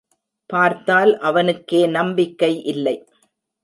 பார்த்தால் அவனுக்கே நம்பிக்கை இல்லை.